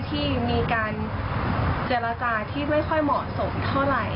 ที่มีการเจรจาที่ไม่ค่อยเหมาะสมเท่าไหร่